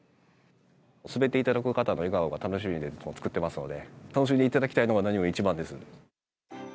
滑っていただく方の笑顔が楽しみで作ってますので、楽しんでいただきたいのが何より一番です。